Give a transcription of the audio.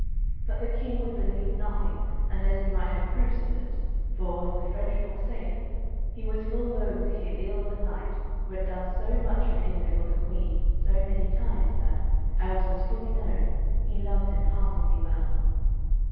But the King would believe nothing unless he might have proofs of it, for, as the French book saith, he was full loath to hear ill of a knight who had done so much for him and for the Queen so many times that, as was fully known, he loved him passingly well.